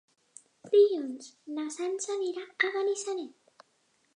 Dilluns na Sança anirà a Benissanet.